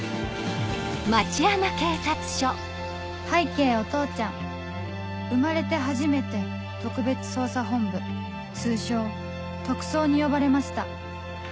拝啓お父ちゃん生まれて初めて特別捜査本部通称「特捜」に呼ばれました